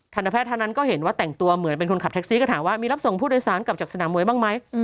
แพทย์ท่านนั้นก็เห็นว่าแต่งตัวเหมือนเป็นคนขับแท็กซี่ก็ถามว่ามีรับส่งผู้โดยสารกลับจากสนามมวยบ้างไหม